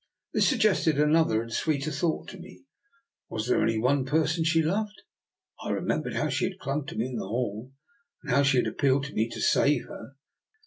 This suggested another and a sweeter thought to me. Was there only one person she loved? I remem bered how she had clung to me in the hall, and how she had appealed to me to save her.